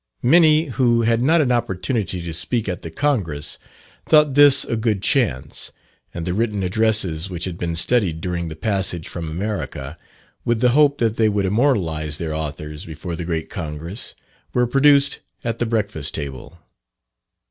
Many who had not an opportunity to speak at the Congress, thought this a good chance; and the written addresses which had been studied during the passage from America, with the hope that they would immortalize their authors before the great Congress, were produced at the breakfast table.